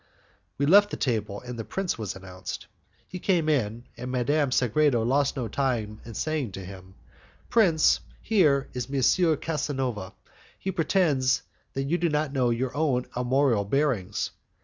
We left the table, and the prince was announced. He came in, and Madame Sagredo lost no time in saying to him, "Prince, here is M. Casanova; he pretends that you do not know your own armorial bearings."